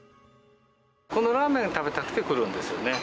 このラーメンを食べたくて来るんですよね。